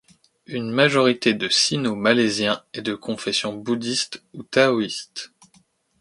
Une majorité de Sino-Malaisiens est de confession bouddhiste ou taoïste.